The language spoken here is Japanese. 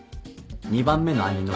２番目の兄の。